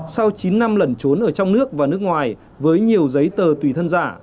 sau chín năm lẩn trốn ở trong nước và nước ngoài với nhiều giấy tờ tùy thân giả